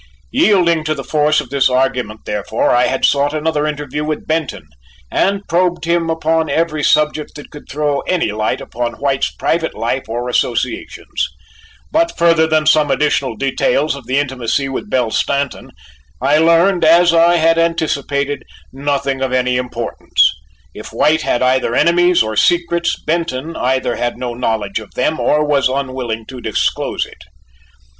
Yielding to the force of this argument, therefore, I had sought another interview with Benton and probed him upon every subject that could throw any light upon White's private life or associations: but further than some additional details of the intimacy with Belle Stanton, I learned, as I had anticipated, nothing of any importance. If White had either enemies or secrets Benton either had no knowledge of them or was unwilling to disclose it.